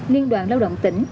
liên đoàn lao động tỉnh